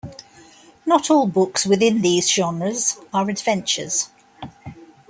Not all books within these genres are adventures.